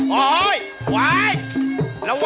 บอกขาวแบบ